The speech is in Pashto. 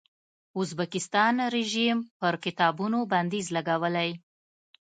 ازبکستان رژیم پر کتابونو بندیز لګولی.